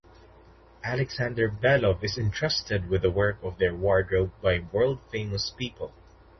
Alexander Belov is entrusted with the work of their wardrobe by world famous people.